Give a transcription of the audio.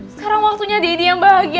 sekarang waktunya deddy yang bahagia